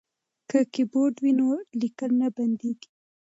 که کیبورډ وي نو لیکل نه بندیږي.